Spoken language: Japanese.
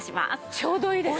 ちょうどいいです。